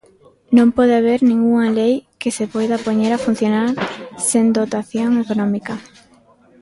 Non pode haber ningunha lei que se poida poñer a funcionar sen dotación económica.